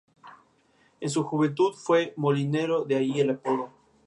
Abarca temas como lógica proposicional y silogismos, entre otros.